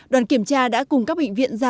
đoàn kiểm tra đã cùng các bệnh viện ra